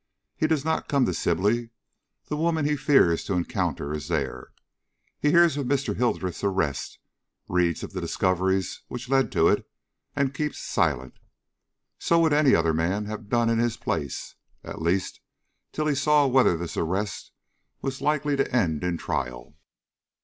He does not come to Sibley; the woman he fears to encounter is there. He hears of Mr. Hildreth's arrest, reads of the discoveries which led to it, and keeps silent. So would any other man have done in his place, at least till he saw whether this arrest was likely to end in trial.